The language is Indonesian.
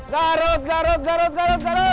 garut garut garut